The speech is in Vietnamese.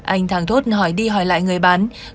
anh tháng thốt hỏi đi hỏi lại người bán